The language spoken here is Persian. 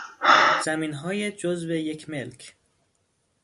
زمینهای جزو یک ملک